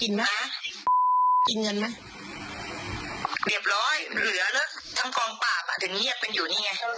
เรียบร้อยเหลือแล้วทั้งกองปากอ่ะจะเงียบเป็นอยู่นี่ไง